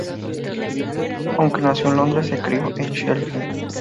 Aunque nació en Londres, se crio en Sheffield.